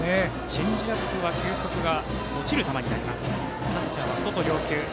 チェンジアップは球速が落ちる球になります。